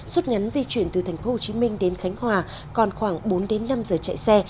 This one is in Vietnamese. suốt ngắn di chuyển từ thành phố hồ chí minh đến khánh hòa còn khoảng bốn đến năm giờ chạy xe